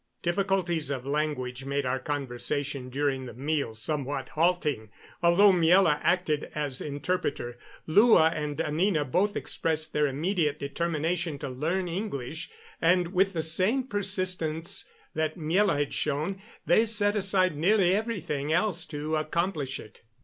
Difficulties of language made our conversation during the meal somewhat halting, although Miela acted as interpreter. Lua and Anina both expressed their immediate determination to learn English, and, with the same persistence that Miela had shown, they set aside nearly everything else to accomplish it.